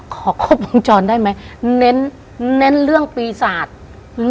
ขอครบวงจรได้ไหมเน้นเน้นเรื่องปีศาจ